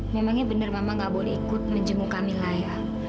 memangnya benar mama nggak boleh ikut menjenguk kamila ya